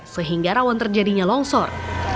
sehingga rawan terjadinya longsor